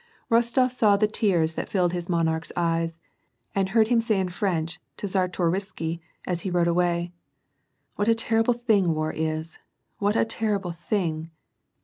Rostof saw the tears that filled his monarch's eyes, and heard him say in French to Czartorisky as he rode away, — "What a terribli thing war is, what a terrible thing!